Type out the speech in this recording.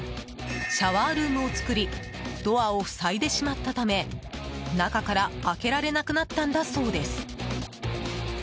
シャワールームを作りドアを塞いでしまったため中から開けられなくなったんだそうです。